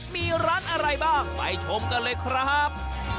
มีร้านอะไรบ้างไปชมกันเลยครับ